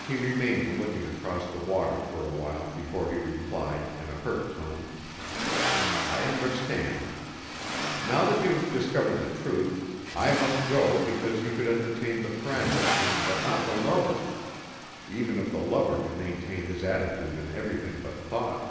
He remained looking across the water for a while before he replied, in a hurt tone. "I understand. Now that you've discovered the truth ... I must go because you could entertain the friend ... but not the lover.... Even if the lover could maintain his attitude in everything but thought."